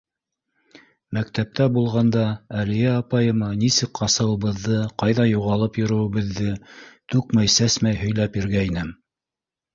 Мәктәптә булғанда Әлиә апайыма нисек ҡасыуыбыҙҙы, ҡайҙа юғалып йөрөүебеҙҙе түкмәй-сәсмәй һөйләп биргәйнем.